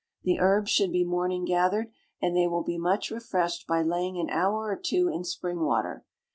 The herbs should be "morning gathered," and they will be much refreshed by laying an hour or two in spring water.